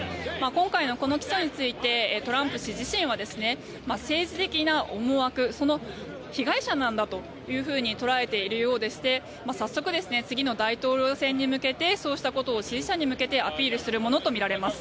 今回のこの起訴についてトランプ氏自身は政治的な思惑その被害者なんだというふうに捉えているようでして早速、次の大統領選に向けてそうしたことを支持者に向けてアピールするものとみられます。